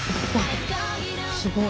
すごい。